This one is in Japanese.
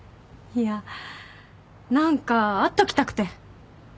いや。何か会っときたくて